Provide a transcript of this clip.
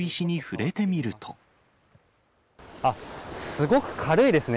あっ、すごく軽いですね。